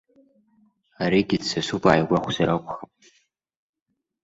Аригьы дсасуп ааигәахәзар акәхап.